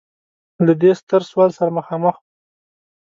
له دې ستر سوال سره مخامخ و.